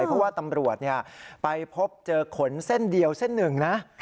เพราะว่าตำรวจไปพบเจอขนเส้นเดียวเส้นหนึ่งนะ